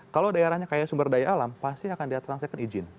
kalau daerahnya kaya sumber daya alam pasti akan dia transaksikan izin